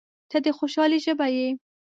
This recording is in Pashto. • ته د خوشحالۍ ژبه یې.